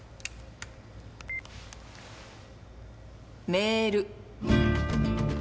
メール。